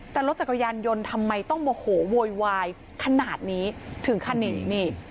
แต่รถจักรยานยนต์ทำไมต้องโมโหโวยวายขนาดนี้ถึงขั้นหนีนี่